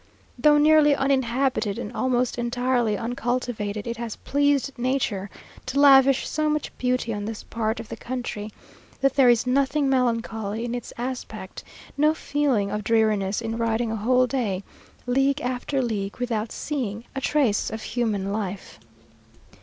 Though nearly uninhabited, and almost entirely uncultivated, it has pleased nature to lavish so much beauty on this part of the country, that there is nothing melancholy in its aspect; no feeling of dreariness in riding a whole day, league after league, without seeing a trace of human life.